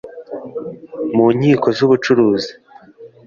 Mu nkiko z ubucuruzi